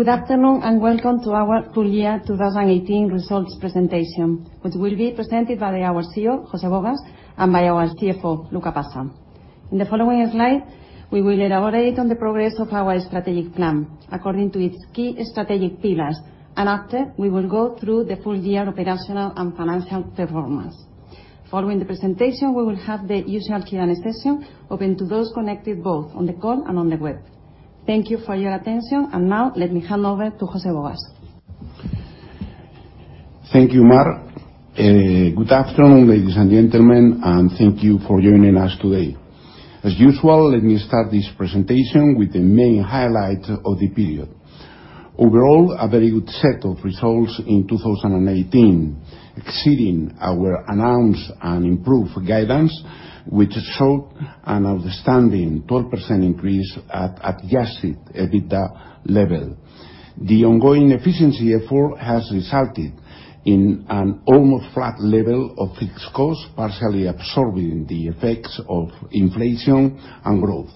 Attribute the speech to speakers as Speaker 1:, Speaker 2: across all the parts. Speaker 1: Good afternoon and welcome to our full year 2018 results presentation, which will be presented by our CEO, José Bogas, and by our CFO, Luca Passa. In the following slide, we will elaborate on the progress of our strategic plan according to its key strategic pillars, and after, we will go through the full year operational and financial performance. Following the presentation, we will have the usual Q&A session open to those connected both on the call and on the web. Thank you for your attention, and now let me hand over to José Bogas.
Speaker 2: Thank you, Mar. Good afternoon, ladies and gentlemen, and thank you for joining us today. As usual, let me start this presentation with the main highlights of the period. Overall, a very good set of results in 2018, exceeding our announced and improved guidance, which showed an outstanding 12% increase at Adjusted EBITDA level. The ongoing efficiency effort has resulted in an almost flat level of fixed costs, partially absorbing the effects of inflation and growth.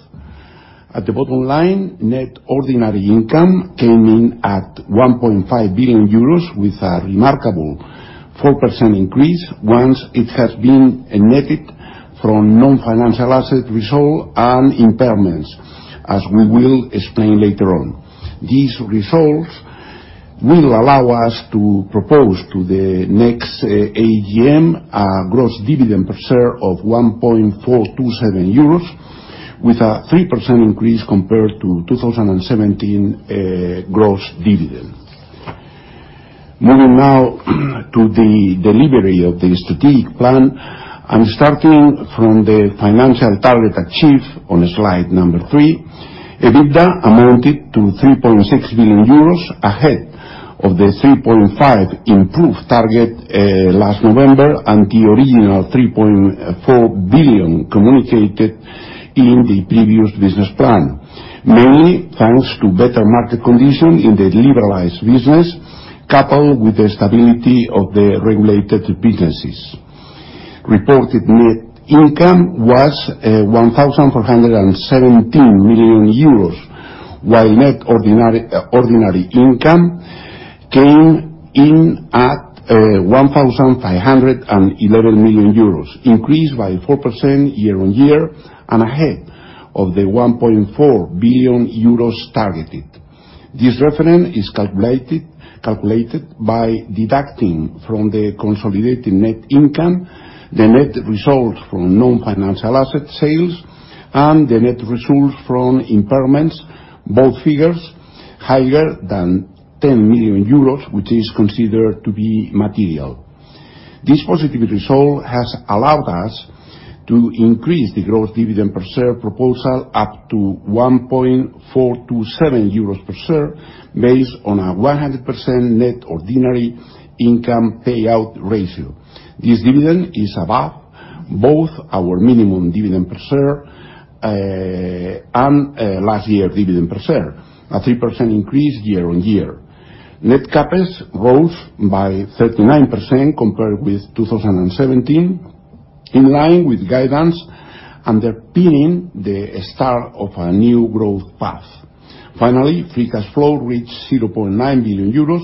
Speaker 2: At the bottom line, net ordinary income came in at 1.5 billion euros, with a remarkable 4% increase once it has been netted from non-financial asset results and impairments, as we will explain later on. These results will allow us to propose to the next AGM a gross dividend per share of 1.427 euros, with a 3% increase compared to 2017 gross dividend. Moving now to the delivery of the strategic plan, I'm starting from the financial target achieved on slide number three. EBITDA amounted to 3.6 billion euros ahead of the 3.5 improved target last November and the original 3.4 billion communicated in the previous business plan, mainly thanks to better market conditions in the liberalized business, coupled with the stability of the regulated businesses. Reported net income was 1,417 million euros, while net ordinary income came in at 1,511 million, increased by 4% year-on-year and ahead of the 1.4 billion euros targeted. This reference is calculated by deducting from the consolidated net income the net result from non-financial asset sales and the net result from impairments, both figures higher than 10 million euros, which is considered to be material. This positive result has allowed us to increase the gross dividend per share proposal up to 1.427 euros per share, based on a 100% net ordinary income payout ratio. This dividend is above both our minimum dividend per share and last year's dividend per share, a 3% increase year-on-year. Net CapEx rose by 39% compared with 2017, in line with guidance, underpinning the start of a new growth path. Finally, free cash flow reached 0.9 billion euros,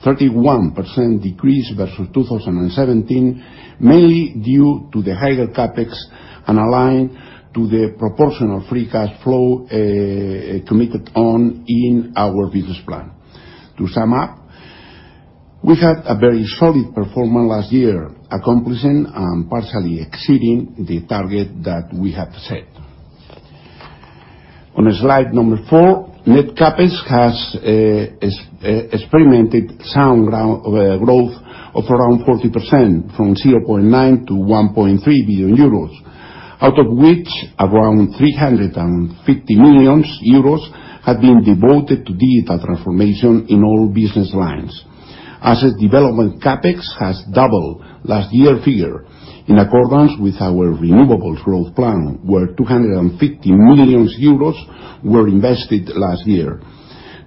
Speaker 2: a 31% decrease versus 2017, mainly due to the higher CapEx and aligned to the proportional free cash flow committed on in our business plan. To sum up, we had a very solid performance last year, accomplishing and partially exceeding the target that we had set. On slide number four, net CapEx has experienced sound growth of around 40%, from 0.9 billion to 1.3 billion euros, out of which around 350 million euros had been devoted to digital transformation in all business lines. Asset development CapEx has doubled last year's figure, in accordance with our renewables growth plan, where 250 million euros were invested last year.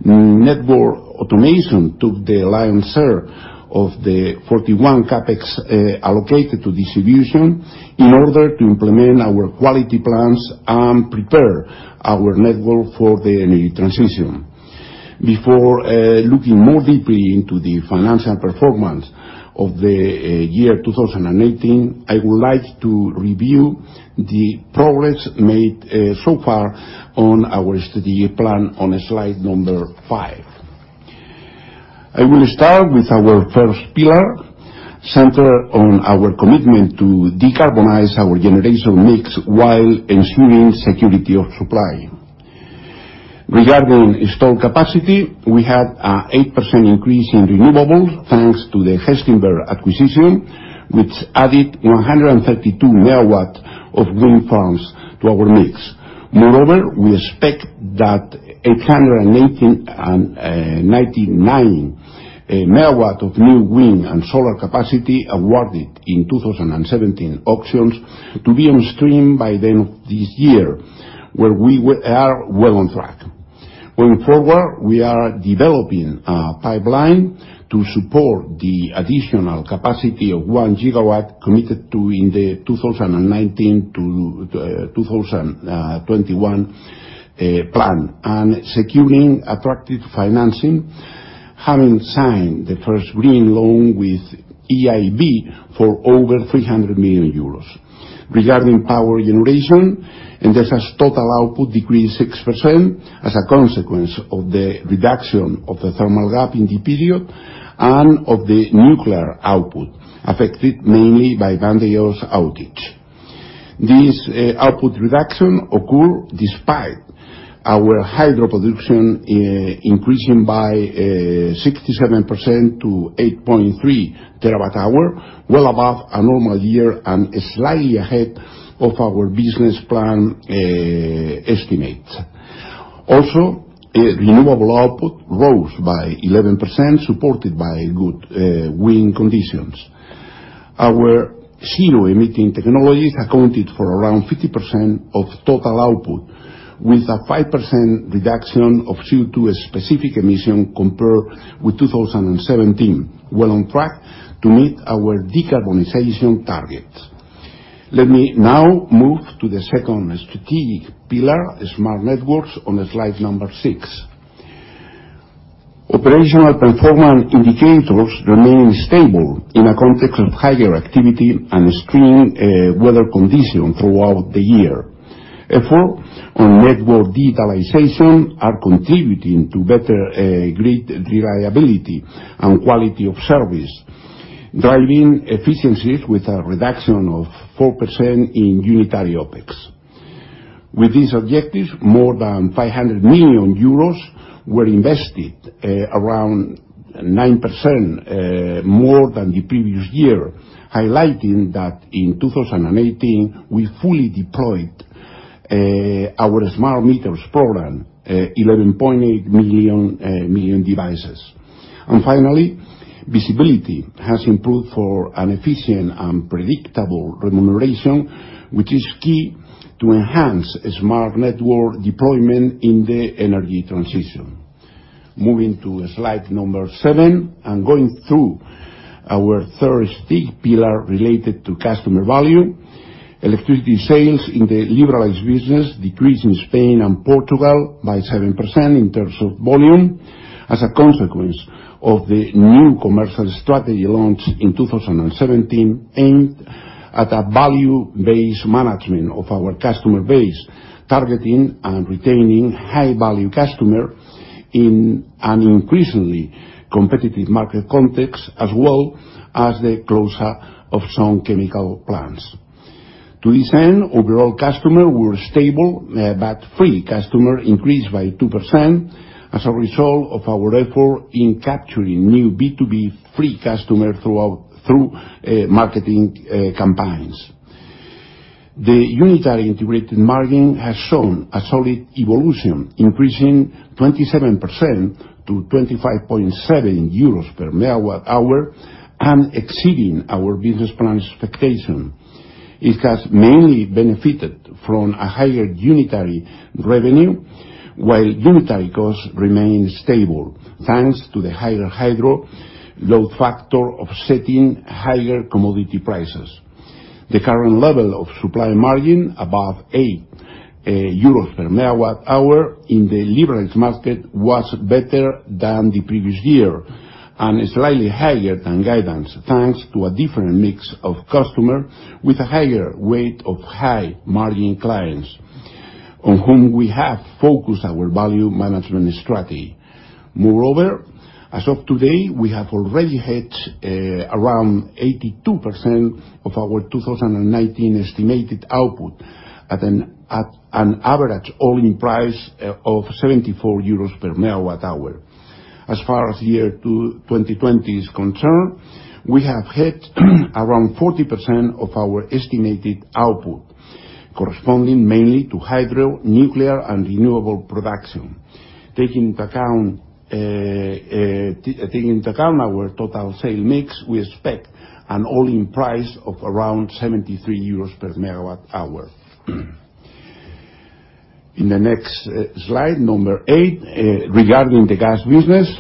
Speaker 2: Network automation took the lion's share of the 41 CapEx allocated to distribution in order to implement our quality plans and prepare our network for the energy transition. Before looking more deeply into the financial performance of the year 2018, I would like to review the progress made so far on our strategic plan on slide number five. I will start with our first pillar, centered on our commitment to decarbonize our generation mix while ensuring security of supply. Regarding installed capacity, we had an 8% increase in renewables thanks to the Gestinver acquisition, which added 132 MW of wind farms to our mix. Moreover, we expect that 899 MW of new wind and solar capacity awarded in 2017 auctions to be on stream by the end of this year, where we are well on track. Going forward, we are developing a pipeline to support the additional capacity of 1 GW committed to in the 2019 to 2021 plan and securing attractive financing, having signed the first green loan with EIB for over 300 million euros. Regarding power generation, Endesa's total output decreased 6% as a consequence of the reduction of the thermal gap in the period and of the nuclear output, affected mainly by Vandellós outage. This output reduction occurred despite our hydro production increasing by 67% to 8.3 TWh, well above a normal year and slightly ahead of our business plan estimates. Also, renewable output rose by 11%, supported by good wind conditions. Our zero-emitting technologies accounted for around 50% of total output, with a 5% reduction of CO2 specific emissions compared with 2017, well on track to meet our decarbonization target. Let me now move to the second strategic pillar, smart networks, on slide number six. Operational performance indicators remain stable in a context of higher activity and extreme weather conditions throughout the year. Efforts on network digitalization are contributing to better grid reliability and quality of service, driving efficiencies with a reduction of 4% in unitary OpEx. With these objectives, more than 500 million euros were invested, around 9% more than the previous year, highlighting that in 2018 we fully deployed our smart meters program, 11.8 million devices. And finally, visibility has improved for an efficient and predictable remuneration, which is key to enhance smart network deployment in the energy transition. Moving to slide number seven and going through our third strategic pillar related to customer value, electricity sales in the liberalized business decreased in Spain and Portugal by 7% in terms of volume as a consequence of the new commercial strategy launched in 2017, aimed at a value-based management of our customer base, targeting and retaining high-value customers in an increasingly competitive market context, as well as the closure of some chemical plants. To this end, overall customers were stable, but free customers increased by 2% as a result of our effort in capturing new B2B free customers through marketing campaigns. The unitary integrated margin has shown a solid evolution, increasing 27% to 25.7 euros/MWh and exceeding our business plan expectations. It has mainly benefited from a higher unitary revenue, while unitary costs remained stable thanks to the higher hydro load factor offsetting higher commodity prices. The current level of supply margin above 8 euros/MWh in the liberalized market was better than the previous year and slightly higher than guidance, thanks to a different mix of customers with a higher weight of high-margin clients, on whom we have focused our value management strategy. Moreover, as of today, we have already hit around 82% of our 2019 estimated output at an average all-in price of 74 euros/MWh. As far as the year 2020 is concerned, we have hit around 40% of our estimated output, corresponding mainly to hydro, nuclear, and renewable production. Taking into account our total sale mix, we expect an all-in price of around 73 euros/MWh. In the next slide, number eight, regarding the gas business,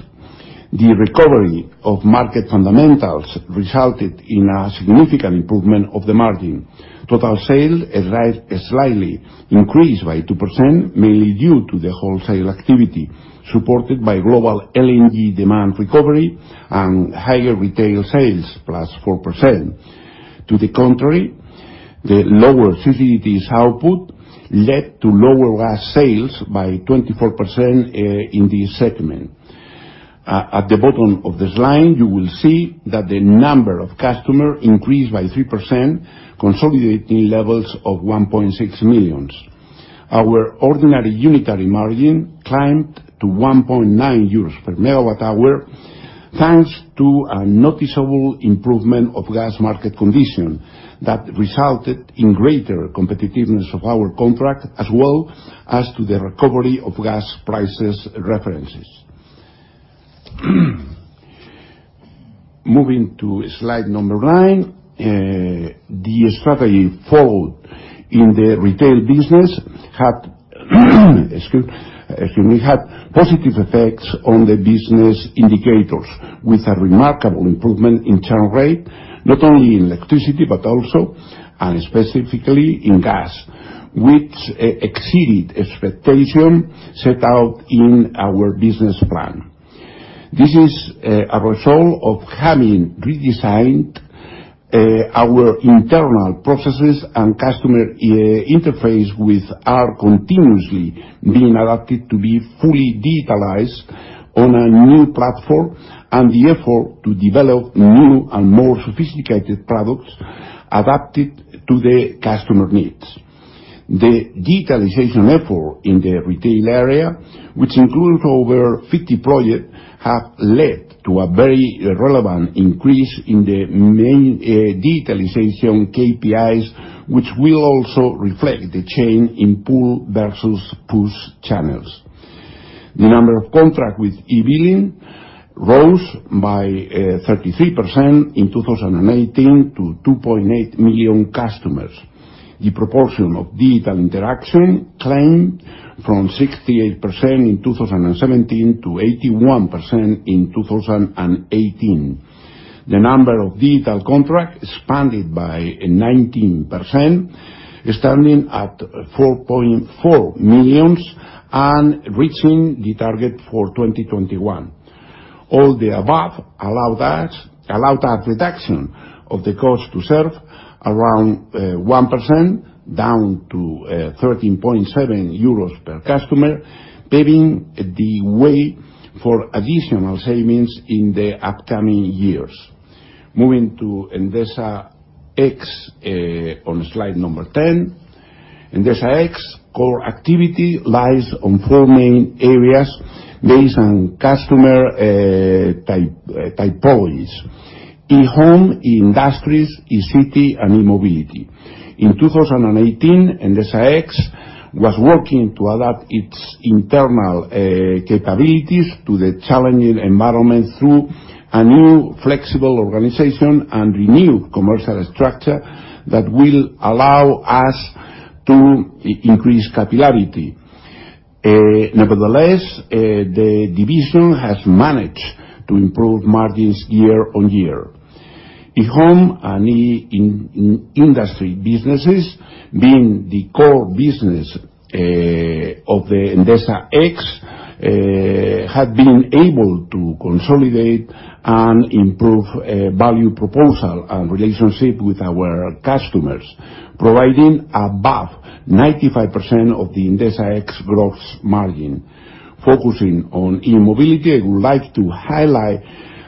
Speaker 2: the recovery of market fundamentals resulted in a significant improvement of the margin. Total sales had slightly increased by 2%, mainly due to the wholesale activity supported by global LNG demand recovery and higher retail sales, +4%. To the contrary, the lower CCGTs output led to lower gas sales by 24% in this segment. At the bottom of the slide, you will see that the number of customers increased by 3%, consolidating levels of 1.6 million. Our ordinary unitary margin climbed to 1.9 euros/MWh thanks to a noticeable improvement of gas market conditions that resulted in greater competitiveness of our contract, as well as to the recovery of gas prices references. Moving to slide number nine, the strategy followed in the retail business had positive effects on the business indicators, with a remarkable improvement in churn rate, not only in electricity but also and specifically in gas, which exceeded expectations set out in our business plan. This is a result of having redesigned our internal processes and customer interface, which are continuously being adapted to be fully digitalized on a new platform, and the effort to develop new and more sophisticated products adapted to the customer needs. The digitalization effort in the retail area, which includes over 50 projects, has led to a very relevant increase in the main digitalization KPIs, which will also reflect the change in pull versus push channels. The number of contracts with e-billing rose by 33% in 2018 to 2.8 million customers. The proportion of digital interaction climbed from 68% in 2017 to 81% in 2018. The number of digital contracts expanded by 19%, standing at 4.4 million and reaching the target for 2021. All the above allowed a reduction of the cost to serve around 1%, down to 13.7 euros per customer, paving the way for additional savings in the upcoming years. Moving to Endesa X on slide number 10, Endesa X's core activity lies on four main areas based on customer typologies: e-home, e-industries, e-city, and e-mobility. In 2018, Endesa X was working to adapt its internal capabilities to the challenging environment through a new flexible organization and renewed commercial structure that will allow us to increase capillarity. Nevertheless, the division has managed to improve margins year-on-year. e-home and e-industries businesses, being the core business of the Endesa X, have been able to consolidate and improve value proposition and relationship with our customers, providing above 95% of the Endesa X growth margin. Focusing on e-mobility, I would like to highlight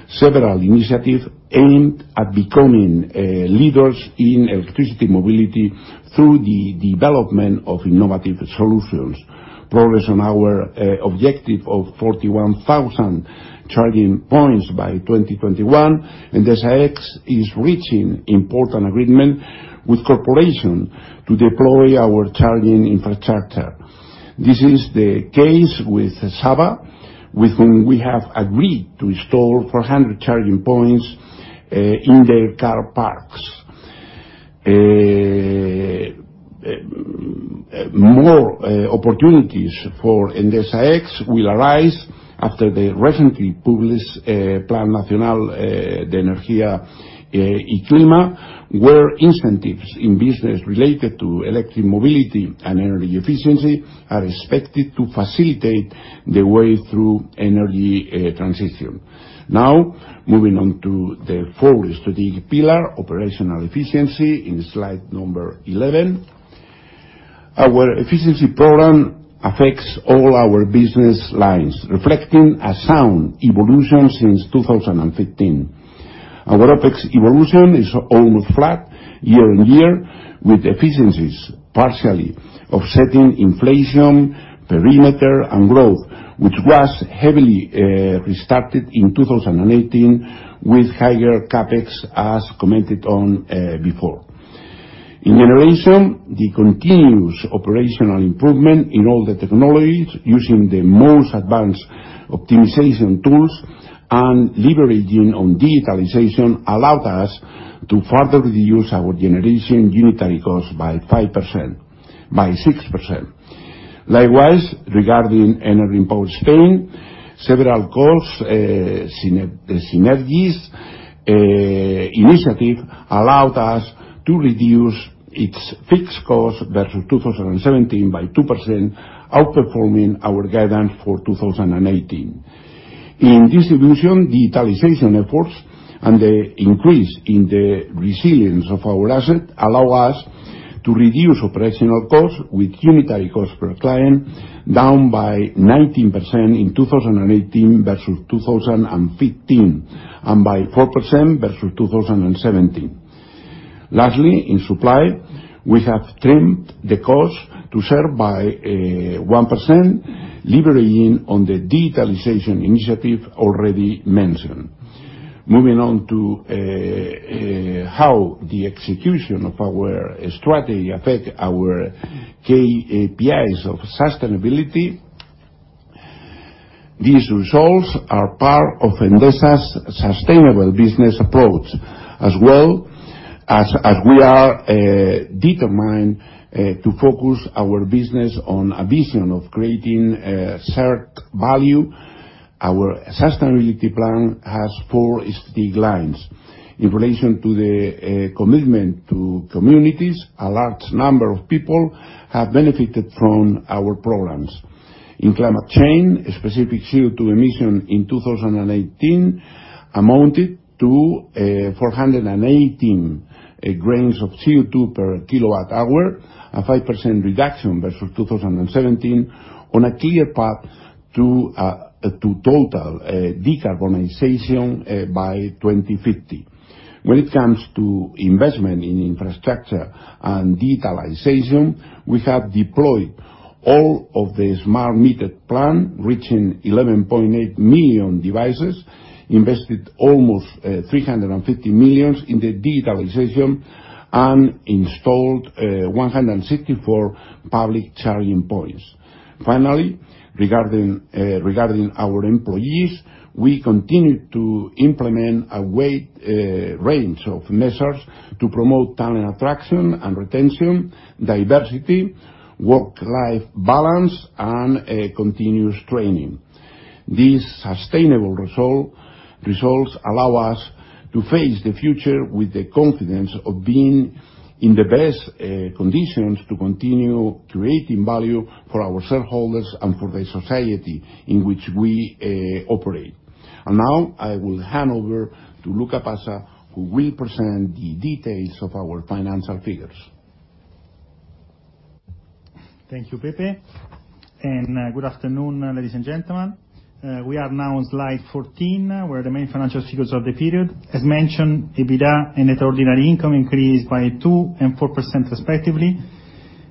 Speaker 2: several initiatives aimed at becoming leaders in electric mobility through the development of innovative solutions. Progress on our objective of 41,000 charging points by 2021. Endesa X is reaching important agreements with corporations to deploy our charging infrastructure. This is the case with Saba, with whom we have agreed to install 400 charging points in their car parks. More opportunities for Endesa X will arise after the recently published Plan Nacional de Energía y Clima, where incentives in business related to electric mobility and energy efficiency are expected to facilitate the way through energy transition. Now, moving on to the fourth strategic pillar, operational efficiency in slide number 11, our efficiency program affects all our business lines, reflecting a sound evolution since 2015. Our OpEx evolution is almost flat year-on-year, with efficiencies partially offsetting inflation, perimeter, and growth, which was heavily restarted in 2018 with higher CapEx, as commented on before. In generation, the continuous operational improvement in all the technologies using the most advanced optimization tools and leveraging on digitalization allowed us to further reduce our generation unitary cost by 6%. Likewise, regarding Enel Green Power España, several cost synergies initiatives allowed us to reduce its fixed cost versus 2017 by 2%, outperforming our guidance for 2018. In distribution, digitalization efforts and the increase in the resilience of our asset allow us to reduce operational costs with unitary cost per client down by 19% in 2018 versus 2015 and by 4% versus 2017. Lastly, in supply, we have trimmed the cost to serve by 1%, leveraging on the digitalization initiative already mentioned. Moving on to how the execution of our strategy affects our KPIs of sustainability, these results are part of Endesa's sustainable business approach, as well as we are determined to focus our business on a vision of creating shared value. Our sustainability plan has four strategic lines. In relation to the commitment to communities, a large number of people have benefited from our programs. In climate change, specific CO2 emissions in 2018 amounted to 418 gr of CO2 per kilowatt-hour, a 5% reduction versus 2017, on a clear path to total decarbonization by 2050. When it comes to investment in infrastructure and digitalization, we have deployed all of the smart meter plan, reaching 11.8 million devices, invested almost 350 million in the digitalization, and installed 164 public charging points. Finally, regarding our employees, we continue to implement a wide range of measures to promote talent attraction and retention, diversity, work-life balance, and continuous training. These sustainable results allow us to face the future with the confidence of being in the best conditions to continue creating value for our shareholders and for the society in which we operate. Now I will hand over to Luca Passa, who will present the details of our financial figures.
Speaker 3: Thank you, Pepe. Good afternoon, ladies and gentlemen. We are now on slide 14, where the main financial figures of the period, as mentioned, EBITDA and Net ordinary income increased by 2% and 4% respectively.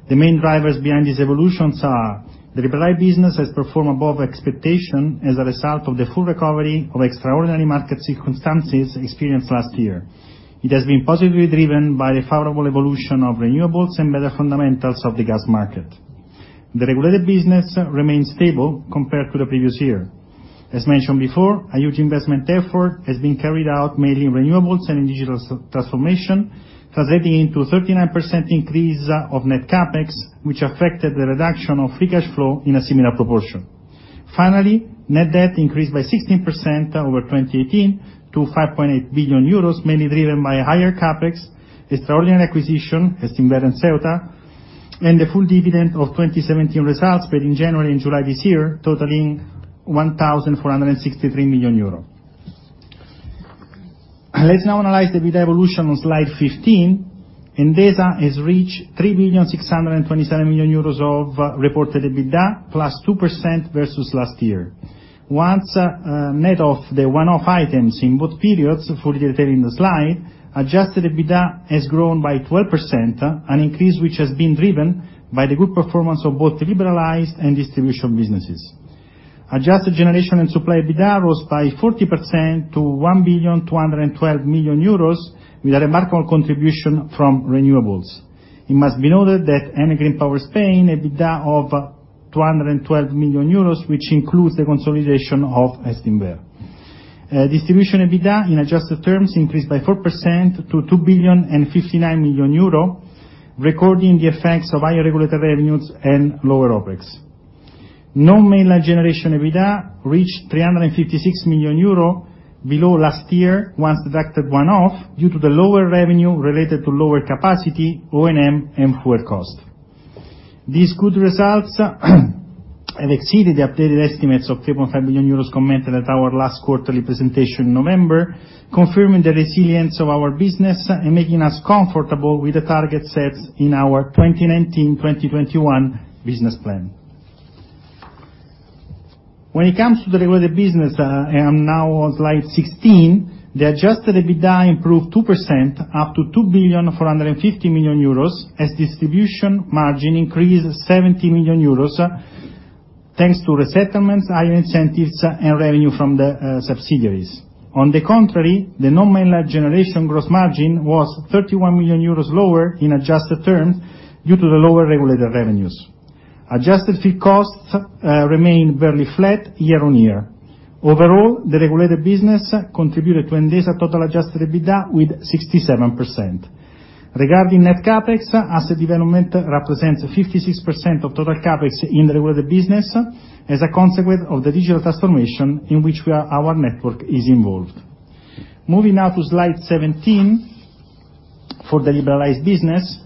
Speaker 3: The main drivers behind these evolutions are: the Liberalized business has performed above expectations as a result of the full recovery of extraordinary market circumstances experienced last year. It has been positively driven by the favorable evolution of renewables and better fundamentals of the gas market. The Regulated business remained stable compared to the previous year. As mentioned before, a huge investment effort has been carried out, mainly in renewables and in digital transformation, translating into a 39% increase of net CapEx, which affected the reduction of Free cash flow in a similar proportion. Finally, net debt increased by 16% over 2018 to 5.8 billion euros, mainly driven by higher CapEx, extraordinary acquisition of Gestinver and Ceuta, and the full dividend of 2017 results paid in January and July this year, totaling 1,463 million euro. Let's now analyze the EBITDA evolution on slide 15. Endesa has reached 3,627 million euros of reported EBITDA, +2% versus last year. Once net of the one-off items in both periods, fully detailed in the slide, Adjusted EBITDA has grown by 12%, an increase which has been driven by the good performance of both the liberalized and distribution businesses. Adjusted generation and supply EBITDA rose by 40% to 1,212 million euros, with a remarkable contribution from renewables. It must be noted that Enel Green Power España EBITDA of 212 million euros, which includes the consolidation of Gestinver. Distribution EBITDA, in adjusted terms, increased by 4% to 2,059 million euro, recording the effects of higher regulatory revenues and lower OpEx. Non-mainland generation EBITDA reached 356 million euro below last year, once deducted one-off, due to the lower revenue related to lower capacity, O&M, and fuel cost. These good results have exceeded the updated estimates of 3.5 million euros commented at our last quarterly presentation in November, confirming the resilience of our business and making us comfortable with the targets set in our 2019-2021 business plan. When it comes to the regulated business, and now on slide 16, the Adjusted EBITDA improved 2% up to 2,450 million euros, as distribution margin increased 70 million euros, thanks to resettlements, higher incentives, and revenue from the subsidiaries. On the contrary, the non-mainland generation gross margin was 31 million euros lower in adjusted terms due to the lower regulated revenues. Adjusted fixed costs remain barely flat year-on-year. Overall, the regulated business contributed to Endesa's total Adjusted EBITDA with 67%. Regarding net CapEx, asset development represents 56% of total CapEx in the regulated business, as a consequence of the digital transformation in which our network is involved. Moving now to slide 17 for the liberalized business,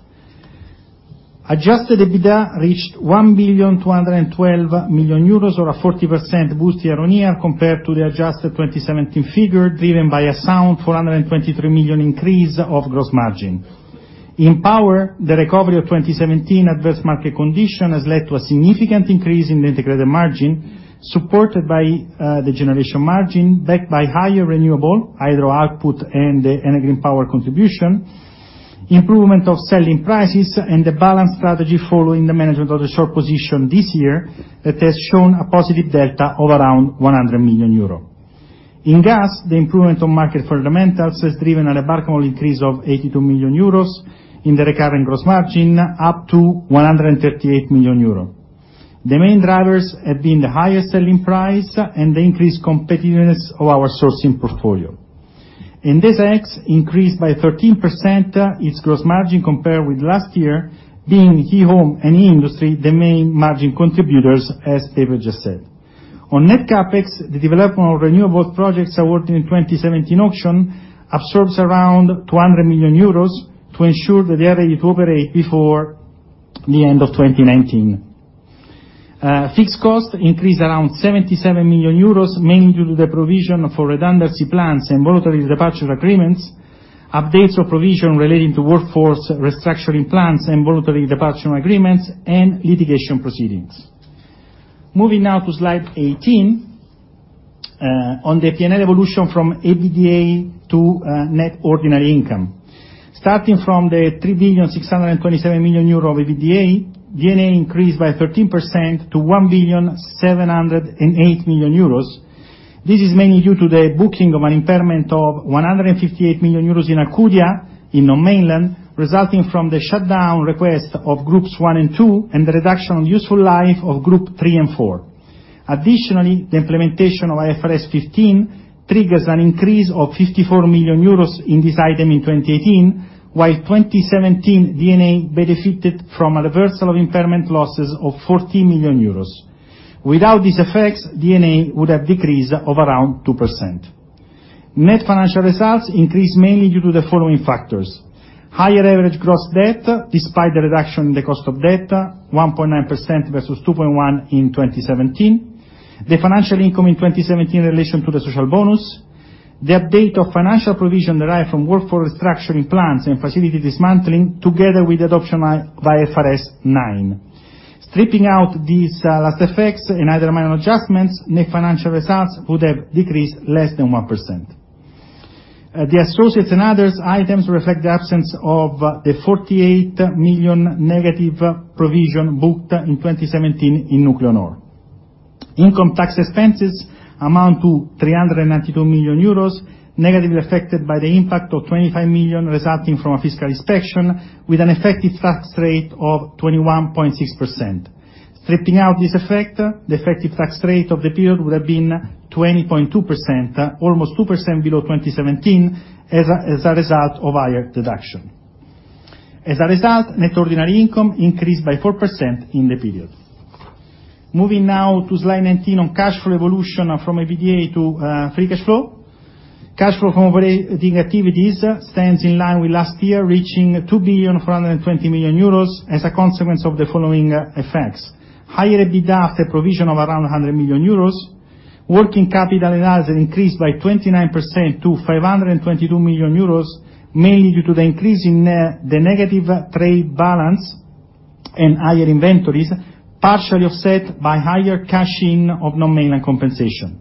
Speaker 3: Adjusted EBITDA reached 1,212 million euros, or a 40% boost year-on-year compared to the adjusted 2017 figure, driven by a sound 423 million increase of gross margin. In power, the recovery of 2017 adverse market conditions has led to a significant increase in the integrated margin, supported by the generation margin, backed by higher renewable, hydro output, and Energy and Power contribution, improvement of selling prices, and the balance strategy following the management of the short position this year, that has shown a positive delta of around 100 million euro. In gas, the improvement of market fundamentals has driven a remarkable increase of 82 million euros in the recurring gross margin, up to 138 million euro. The main drivers have been the higher selling price and the increased competitiveness of our sourcing portfolio. Endesa X increased by 13% its gross margin compared with last year, being e-home and e-industries the main margin contributors, as Pepe just said. On net CapEx, the development of renewable projects awarded in 2017 auction absorbs around 200 million euros to ensure that they are ready to operate before the end of 2019. Fixed costs increased around 77 million euros, mainly due to the provision for redundancy plans and voluntary departure agreements, updates of provision relating to workforce restructuring plans and voluntary departure agreements, and litigation proceedings. Moving now to slide 18, on the P&L evolution from EBITDA to net ordinary income. Starting from the 3,627 million euro of EBITDA, D&A increased by 13% to 1,708 million euros. This is mainly due to the booking of an impairment of 158 million euros in Alcúdia, in non-mainland, resulting from the shutdown request of groups one and two and the reduction of useful life of group three and four. Additionally, the implementation of IFRS 15 triggers an increase of 54 million euros in this item in 2018, while 2017 D&A benefited from a reversal of impairment losses of 40 million euros. Without these effects, D&A would have decreased of around 2%. Net financial results increased mainly due to the following factors: higher average gross debt, despite the reduction in the cost of debt, 1.9% versus 2.1% in 2017. The financial income in 2017 in relation to the social bonus. The update of financial provision derived from workforce restructuring plans and facility dismantling, together with the adoption by IFRS nine. Stripping out these last effects and either minor adjustments, net financial results would have decreased less than 1%. The associates and others items reflect the absence of the 48 million negative provision booked in 2017 in Nuclenor. Income tax expenses amount to 392 million euros, negatively affected by the impact of 25 million resulting from a fiscal inspection, with an effective tax rate of 21.6%. Stripping out this effect, the effective tax rate of the period would have been 20.2%, almost 2% below 2017, as a result of higher deduction. As a result, net ordinary income increased by 4% in the period. Moving now to slide 19 on cash flow evolution from EBITDA to free cash flow. Cash flow from operating activities stands in line with last year, reaching 2,420 million euros as a consequence of the following effects: higher EBITDA after provision of around 100 million euros, working capital and others increased by 29% to 522 million euros, mainly due to the increase in the negative trade balance and higher inventories, partially offset by higher cash in of non-mainland compensation.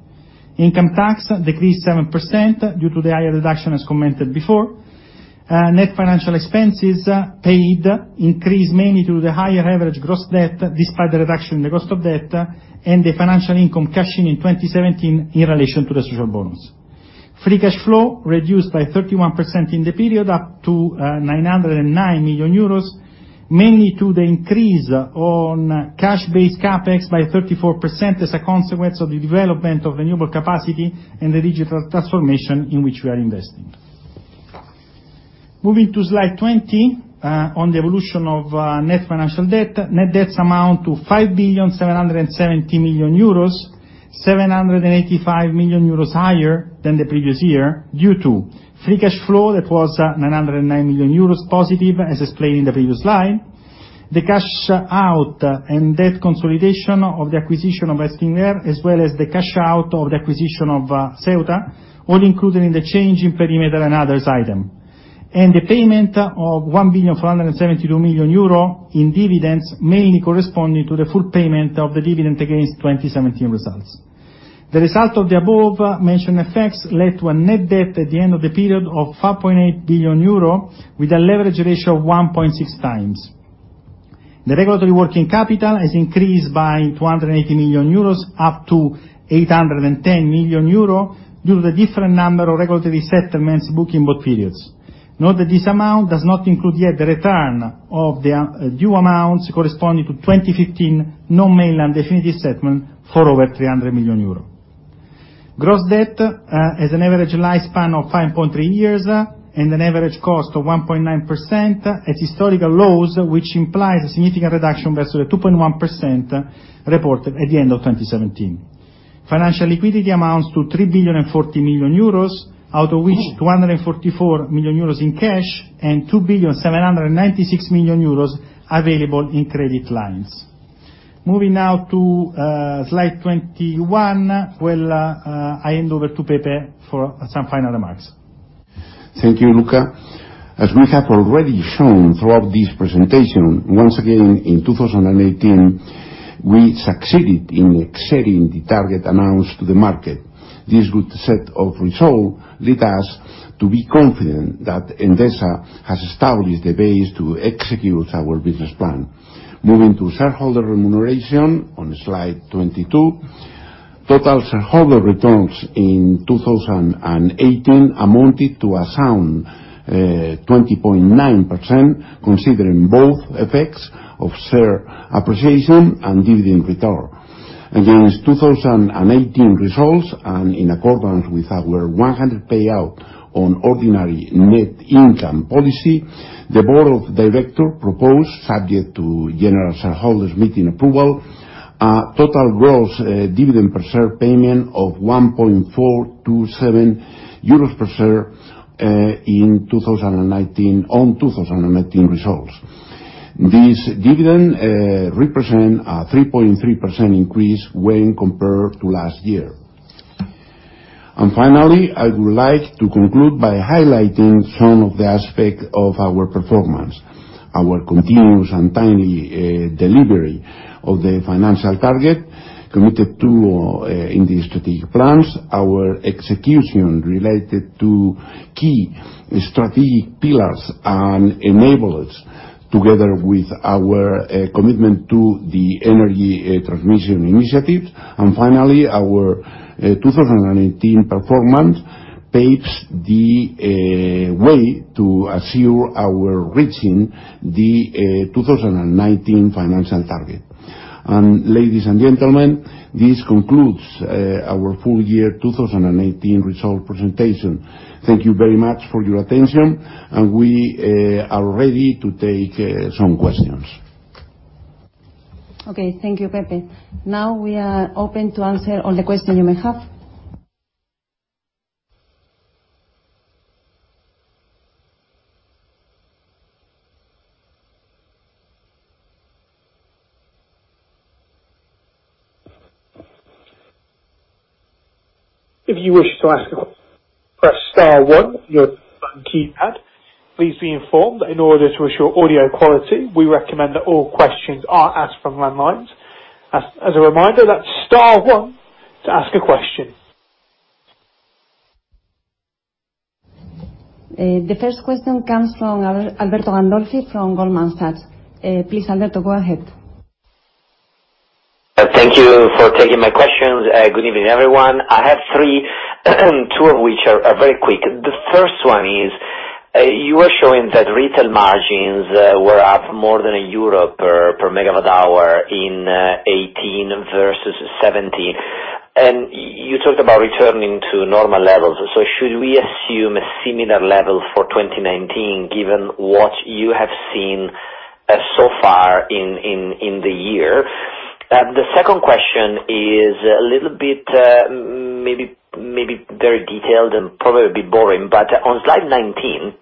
Speaker 3: Income tax decreased 7% due to the higher deduction, as commented before. Net financial expenses paid increased mainly due to the higher average gross debt, despite the reduction in the cost of debt, and the financial income cash in in 2017 in relation to the social bonus. Free cash flow reduced by 31% in the period, up to 909 million euros, mainly due to the increase on cash-based CapEx by 34% as a consequence of the development of renewable capacity and the digital transformation in which we are investing. Moving to slide 20 on the evolution of net financial debt, net debt amounts to 5,770 million euros, 785 million euros higher than the previous year due to free cash flow that was 909 million euros positive, as explained in the previous slide, the cash out and debt consolidation of the acquisition of Gestinver, as well as the cash out of the acquisition of Ceuta, all included in the change in perimeter and others item, and the payment of 1,472 million euro in dividends, mainly corresponding to the full payment of the dividend against 2017 results. The result of the above-mentioned effects led to a net debt at the end of the period of 5.8 billion euro, with a leverage ratio of 1.6x. The regulatory working capital has increased by 280 million euros, up to 810 million euros due to the different number of regulatory settlements booked in both periods. Note that this amount does not include yet the return of the due amounts corresponding to 2015 non-mainland definitive settlement for over 300 million euro. Gross debt has an average lifespan of 5.3 years and an average cost of 1.9% at historical lows, which implies a significant reduction versus the 2.1% reported at the end of 2017. Financial liquidity amounts to 3,040 million euros, out of which 244 million euros in cash and 2,796 million euros available in credit lines. Moving now to slide 21, I hand over to Pepe for some final remarks.
Speaker 2: Thank you, Luca. As we have already shown throughout this presentation, once again in 2018, we succeeded in exceeding the target announced to the market. This good set of results led us to be confident that Endesa has established the base to execute our business plan. Moving to shareholder remuneration on slide 22, total shareholder returns in 2018 amounted to a sound 20.9%, considering both effects of share appreciation and dividend return. Against 2018 results and in accordance with our 100 payout on ordinary net income policy, the Board of Directors proposed, subject to General Shareholders' Meeting approval, a total gross dividend per share payment of 1.427 euros per share on 2019 results. This dividend represents a 3.3% increase when compared to last year. Finally, I would like to conclude by highlighting some of the aspects of our performance: our continuous and timely delivery of the financial target committed to in the strategic plans, our execution related to key strategic pillars and enablers, together with our commitment to the energy transmission initiatives, and finally, our 2018 performance paves the way to assure our reaching the 2019 financial target. Ladies and gentlemen, this concludes our full year 2018 results presentation. Thank you very much for your attention, and we are ready to take some questions.
Speaker 1: Okay, thank you, Pepe. Now we are open to answer all the questions you may have.
Speaker 4: If you wish to ask a question, press star one on your keypad. Please be informed that in order to assure audio quality, we recommend that all questions are asked from landlines. As a reminder, that's star one to ask a question.
Speaker 1: The first question comes from Alberto Gandolfi from Goldman Sachs. Please, Alberto, go ahead.
Speaker 5: Thank you for taking my questions. Good evening, everyone. I have three, two of which are very quick. The first one is, you were showing that retail margins were up more than EUR 1/MWh in 2018 versus 2017, and you talked about returning to normal levels. So should we assume a similar level for 2019, given what you have seen so far in the year? The second question is a little bit maybe very detailed and probably a bit boring, but on slide 19,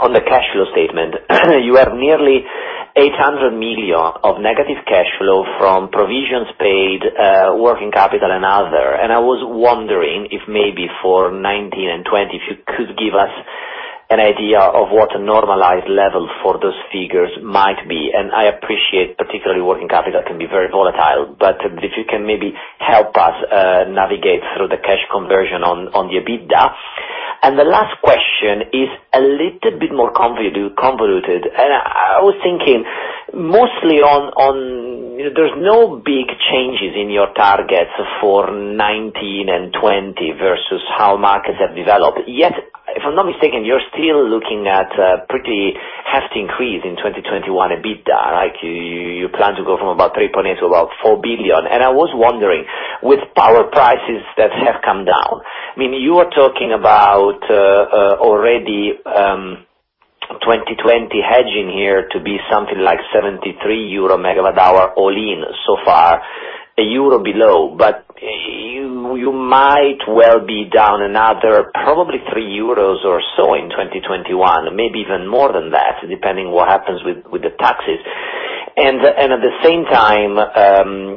Speaker 5: on the cash flow statement, you have nearly 800 million of negative cash flow from provisions paid, working capital, and other. And I was wondering if maybe for 2019 and 2020, if you could give us an idea of what a normalized level for those figures might be. And I appreciate particularly working capital can be very volatile, but if you can maybe help us navigate through the cash conversion on the EBITDA. And the last question is a little bit more convoluted, and I was thinking mostly on there's no big changes in your targets for 2019 and 2020 versus how markets have developed. Yet, if I'm not mistaken, you're still looking at a pretty hefty increase in 2021 EBITDA, right? You plan to go from about 3.8 to about 4 billion. And I was wondering, with power prices that have come down, I mean, you were talking about already 2020 hedging here to be something like 73 euro/MWh all in so far, a euro below, but you might well be down another probably 3 euros or so in 2021, maybe even more than that, depending on what happens with the taxes. And at the same time,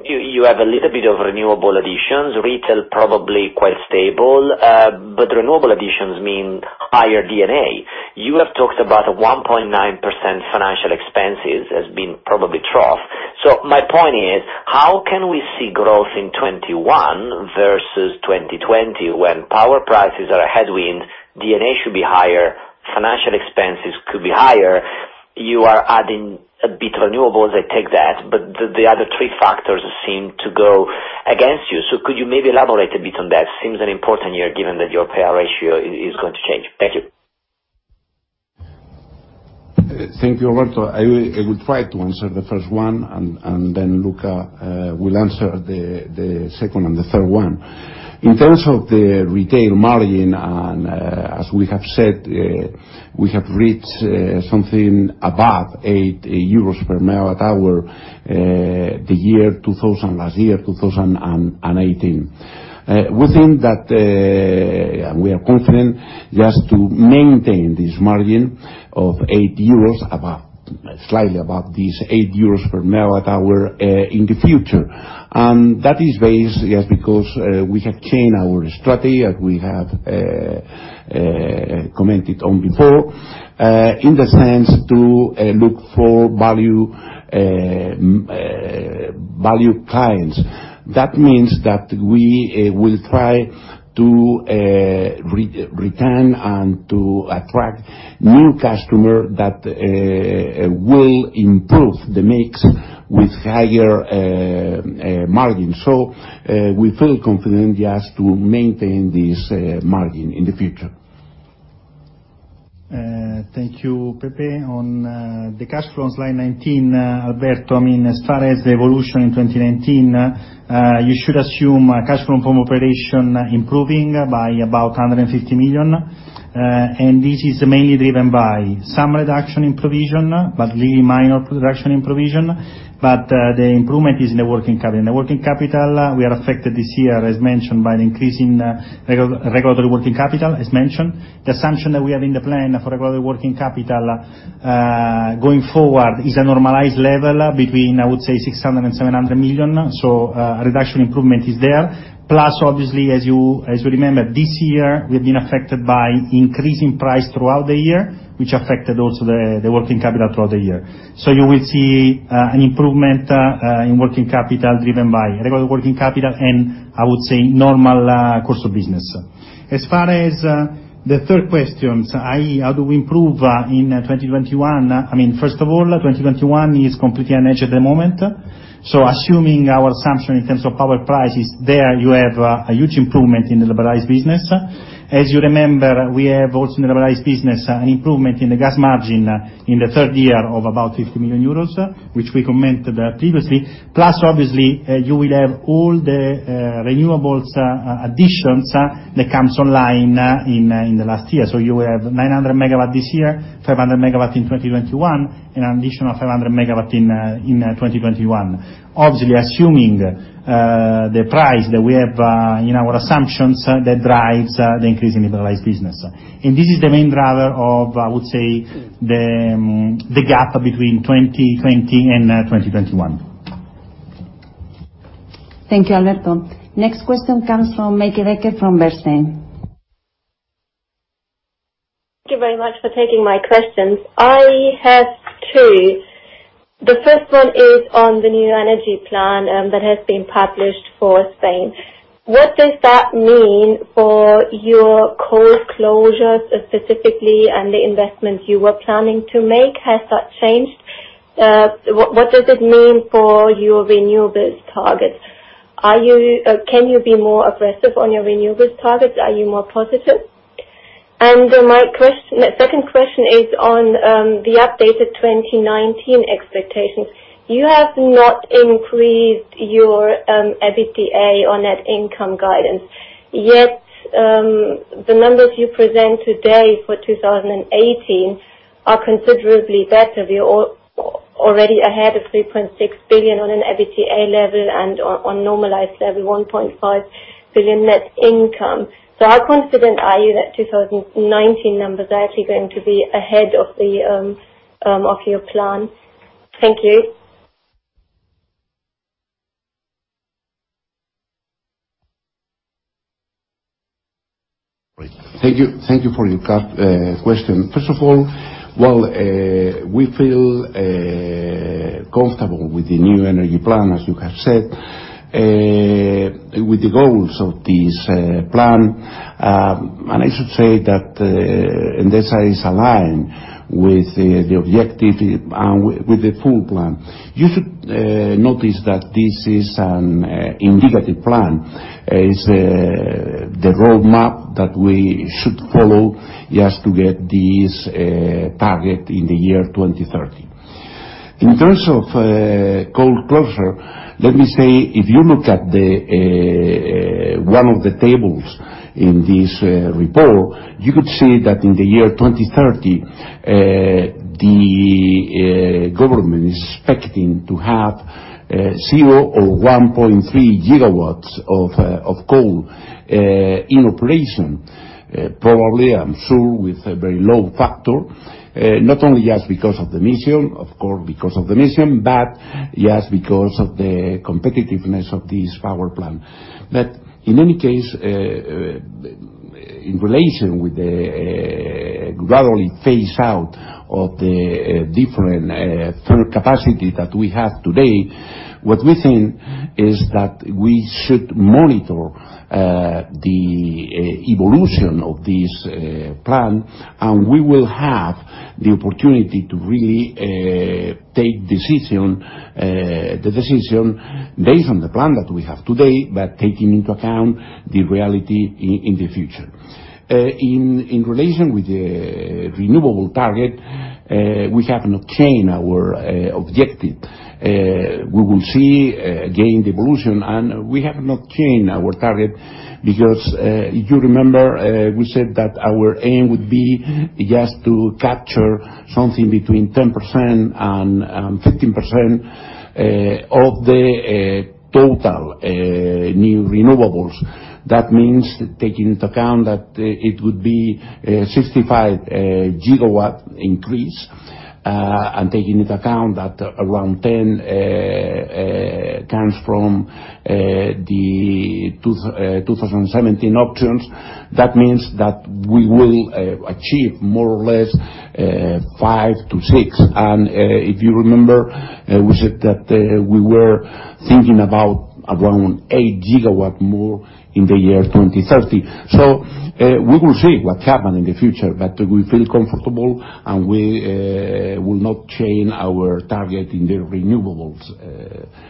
Speaker 5: you have a little bit of renewable additions, retail probably quite stable, but renewable additions mean higher D&A. You have talked about a 1.9% financial expenses has been probably trough. So my point is, how can we see growth in 2021 versus 2020 when power prices are a headwind, D&A should be higher, financial expenses could be higher? You are adding a bit of renewables, I take that, but the other three factors seem to go against you. So could you maybe elaborate a bit on that? Seems an important year given that your payout ratio is going to change. Thank you.
Speaker 2: Thank you, Alberto. I will try to answer the first one, and then Luca will answer the second and the third one. In terms of the retail margin, as we have said, we have reached something above 8 euros/MWh in the year 2000, last year, 2018. We think that, and we are confident, just to maintain this margin of 8 euros, slightly above this EUR 8/MWh in the future. And that is based just because we have changed our strategy, as we have commented on before, in the sense to look for value clients. That means that we will try to retain and to attract new customers that will improve the mix with higher margin. So we feel confident just to maintain this margin in the future.
Speaker 3: Thank you, Pepe. On the cash flow on slide 19, Alberto, I mean, as far as the evolution in 2019, you should assume cash flow from operation improving by about 150 million, and this is mainly driven by some reduction in provision, but really minor reduction in provision, but the improvement is in the working capital. In the working capital, we are affected this year, as mentioned, by the increase in regulatory working capital, as mentioned. The assumption that we have in the plan for regulatory working capital going forward is a normalized level between, I would say, 600 million and 700 million, so a reduction improvement is there, plus, obviously, as you remember, this year we have been affected by increasing price throughout the year, which affected also the working capital throughout the year. So you will see an improvement in working capital driven by regulatory working capital and, I would say, normal course of business. As far as the third question, i.e., how do we improve in 2021? I mean, first of all, 2021 is completely unhedged at the moment. So assuming our assumption in terms of power price is there, you have a huge improvement in the liberalized business. As you remember, we have also in the liberalized business an improvement in the gas margin in the third year of about 50 million euros, which we commented previously. Plus, obviously, you will have all the renewables additions that come online in the last year. So you will have 900 MW this year, 500 MW in 2021, and an additional 500 MW in 2021. Obviously, assuming the price that we have in our assumptions that drives the increase in liberalized business. This is the main driver of, I would say, the gap between 2020 and 2021.
Speaker 1: Thank you, Alberto. Next question comes from Meike Becker from Bernstein.
Speaker 6: Thank you very much for taking my questions. I have two. The first one is on the new energy plan that has been published for Spain. What does that mean for your coal closures specifically, and the investments you were planning to make? Has that changed? What does it mean for your renewables targets? Can you be more aggressive on your renewables targets? Are you more positive? And my second question is on the updated 2019 expectations. You have not increased your EBITDA or net income guidance, yet the numbers you present today for 2018 are considerably better. We are already ahead of 3.6 billion on an EBITDA level and on normalized level, 1.5 billion net income. So how confident are you that 2019 numbers are actually going to be ahead of your plan? Thank you.
Speaker 2: Thank you for your question. First of all, well, we feel comfortable with the new energy plan, as you have said, with the goals of this plan. I should say that Endesa is aligned with the objective and with the full plan. You should notice that this is an indicative plan. It's the roadmap that we should follow just to get this target in the year 2030. In terms of coal closure, let me say, if you look at one of the tables in this report, you could see that in the year 2030, the government is expecting to have zero or 1.3 GW of coal in operation, probably, I'm sure, with a very low load factor, not only just because of the emissions, of course, because of the emissions, but just because of the competitiveness of this power plant. But in any case, in relation with the gradually phase-out of the different current capacity that we have today, what we think is that we should monitor the evolution of this plan, and we will have the opportunity to really take the decision based on the plan that we have today, but taking into account the reality in the future. In relation with the renewable target, we have not changed our objective. We will see again the evolution, and we have not changed our target because you remember we said that our aim would be just to capture something between 10% and 15% of the total new renewables. That means taking into account that it would be a 65 GW increase and taking into account that around 10 comes from the 2017 options. That means that we will achieve more or less five to six. And if you remember, we said that we were thinking about around 8 GW more in the year 2030. So we will see what happens in the future, but we feel comfortable, and we will not change our target in the renewables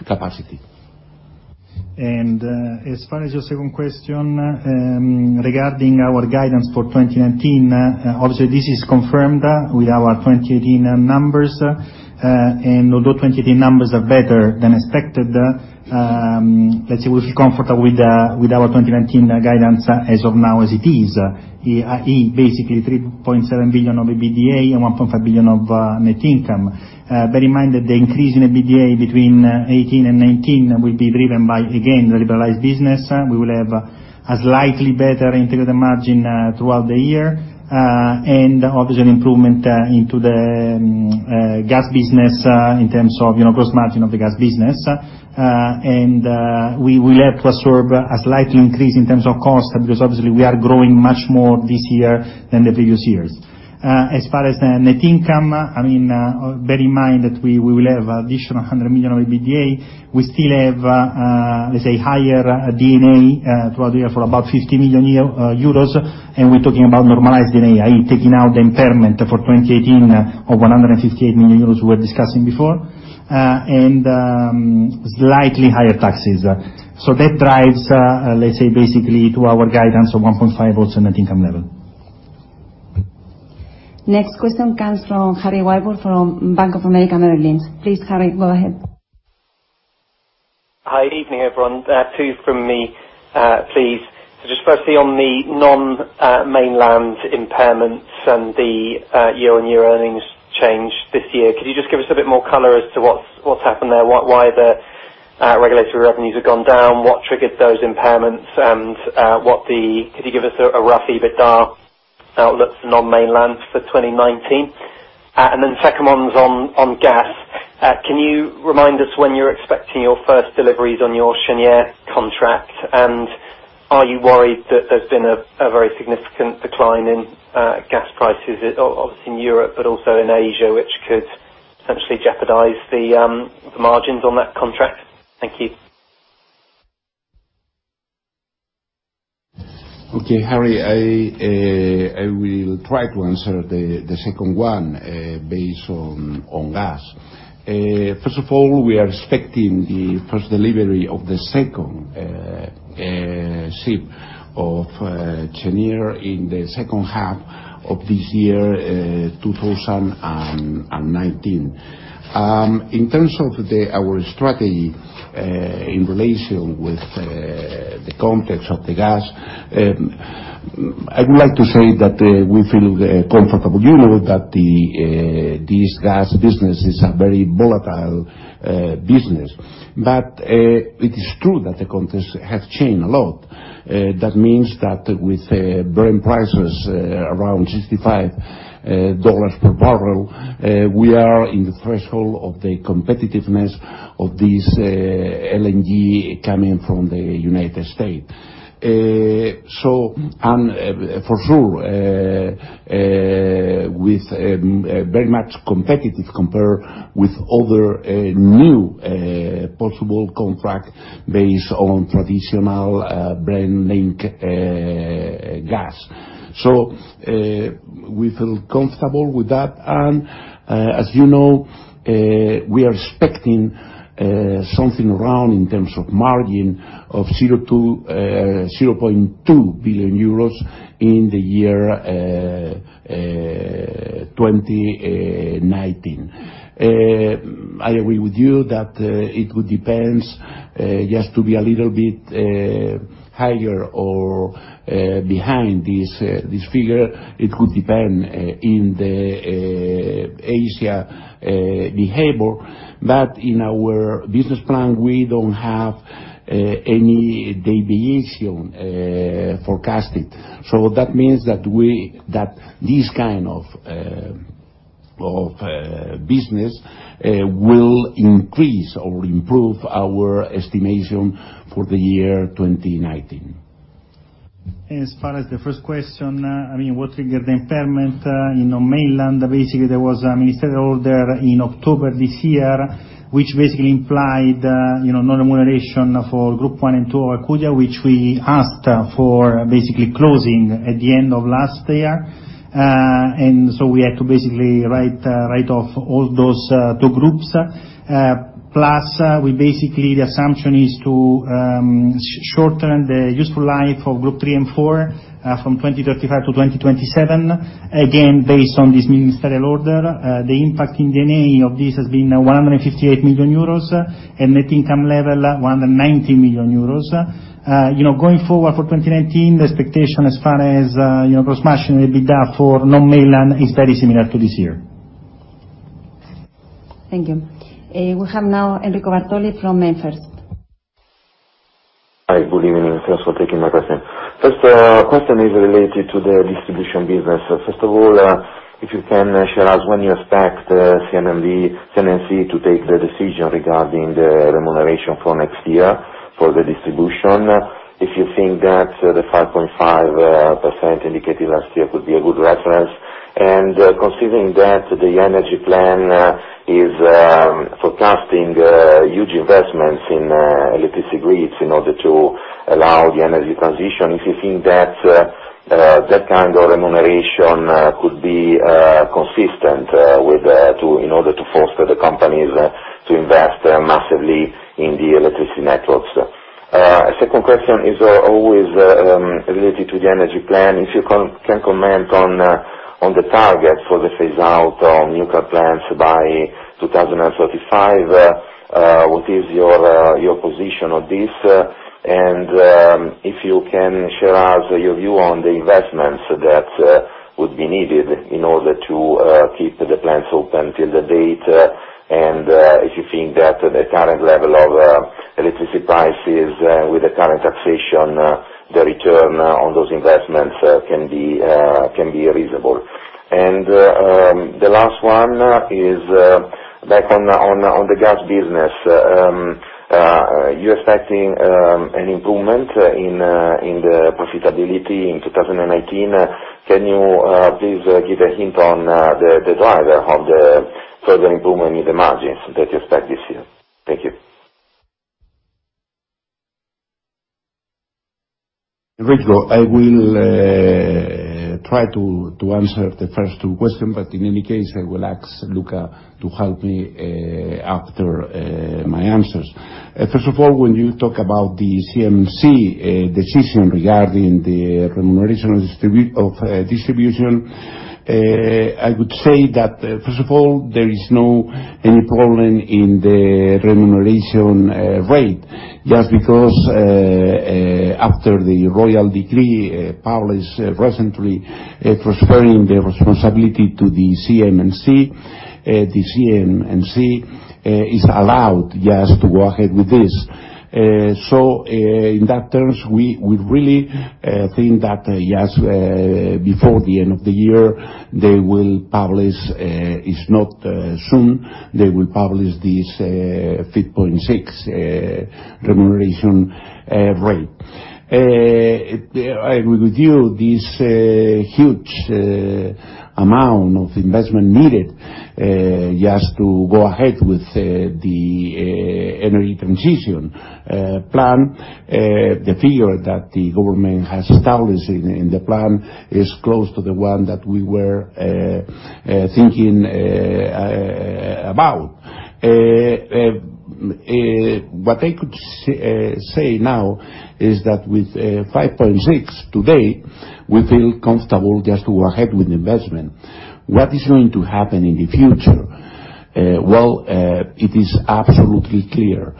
Speaker 2: capacity.
Speaker 3: As far as your second question regarding our guidance for 2019, obviously, this is confirmed with our 2018 numbers. Although 2018 numbers are better than expected, let's say we feel comfortable with our 2019 guidance as of now as it is, i.e., basically 3.7 billion of EBITDA and 1.5 billion of net income. Bear in mind that the increase in EBITDA between 2018 and 2019 will be driven by, again, the liberalized business. We will have a slightly better integrated margin throughout the year, and obviously, an improvement into the gas business in terms of gross margin of the gas business. We will have to absorb a slight increase in terms of cost because, obviously, we are growing much more this year than the previous years. As far as net income, I mean, bear in mind that we will have an additional 100 million of EBITDA. We still have, let's say, higher D&A throughout the year for about 50 million euros, and we're talking about normalized D&A, i.e., taking out the impairment for 2018 of 158 million euros we were discussing before and slightly higher taxes. So that drives, let's say, basically to our guidance of 1.5 also net income level.
Speaker 1: Next question comes from Harry Wyburd from Bank of America Merrill Lynch. Please, Harry, go ahead.
Speaker 7: Good evening, everyone. Two from me, please. So just firstly on the non-mainland impairments and the year-on-year earnings change this year, could you just give us a bit more color as to what's happened there? Why the regulatory revenues have gone down? What triggered those impairments? And could you give us a rough EBITDA outlook for non-mainland for 2019? And then the second one's on gas. Can you remind us when you're expecting your first deliveries on your Cheniere contract? And are you worried that there's been a very significant decline in gas prices, obviously in Europe, but also in Asia, which could potentially jeopardize the margins on that contract? Thank you.
Speaker 2: Okay, Harry, I will try to answer the second one based on gas. First of all, we are expecting the first delivery of the second ship of Cheniere in the second half of this year, 2019. In terms of our strategy in relation with the context of the gas, I would like to say that we feel comfortable. You know that this gas business is a very volatile business, but it is true that the context has changed a lot. That means that with Brent prices around $65 per barrel, we are in the threshold of the competitiveness of this LNG coming from the United States. So, and for sure, with very much competitive compared with other new possible contract based on traditional Brent-linked gas. So we feel comfortable with that. As you know, we are expecting something around in terms of margin of 0.2 billion euros in the year 2019. I agree with you that it would depend just to be a little bit higher or behind this figure. It could depend in the Asia behavior, but in our business plan, we don't have any deviation forecasted. So that means that this kind of business will increase or improve our estimation for the year 2019.
Speaker 3: As far as the first question, I mean, what triggered the impairment in mainland? Basically, there was a ministerial order in October this year, which basically implied non-remuneration for Group One and Two of Alcúdia, which we asked for basically closing at the end of last year. And so we had to basically write off all those two groups. Plus, we basically the assumption is to shorten the useful life of Group Three and Four from 2035 to 2027, again, based on this ministerial order. The impact in D&A of this has been 158 million euros and net income level 190 million euros. Going forward for 2019, the expectation as far as gross margin EBITDA for non-mainland is very similar to this year.
Speaker 1: Thank you. We have now Enrico Bartoli from MainFirst.
Speaker 8: Hi, good evening. Thanks for taking my question. First question is related to the distribution business. First of all, if you can share us when you expect CNMC to take the decision regarding the remuneration for next year for the distribution, if you think that the 5.5% indicated last year could be a good reference. And considering that the energy plan is forecasting huge investments in electricity grids in order to allow the energy transition, if you think that that kind of remuneration could be consistent in order to force the companies to invest massively in the electricity networks. A second question is always related to the energy plan. If you can comment on the target for the phase-out of nuclear plants by 2035, what is your position on this? If you can share us your view on the investments that would be needed in order to keep the plants open till the date, and if you think that the current level of electricity prices with the current taxation, the return on those investments can be reasonable. The last one is back on the gas business. You're expecting an improvement in the profitability in 2019. Can you please give a hint on the driver of the further improvement in the margins that you expect this year? Thank you.
Speaker 2: Enrico, I will try to answer the first two questions, but in any case, I will ask Luca to help me after my answers. First of all, when you talk about the CNMC decision regarding the remuneration of distribution, I would say that, first of all, there is no improvement in the remuneration rate just because after the Royal Decree published recently transferring the responsibility to the CNMC, the CNMC is allowed just to go ahead with this. So in that terms, we really think that just before the end of the year, they will publish, if not soon, they will publish this 3.6 remuneration rate. I agree with you, this huge amount of investment needed just to go ahead with the energy transition plan. The figure that the government has established in the plan is close to the one that we were thinking about. What I could say now is that with 5.6 today, we feel comfortable just to go ahead with the investment. What is going to happen in the future? Well, it is absolutely clear.